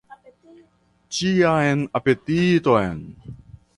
Ĉiam apetiton!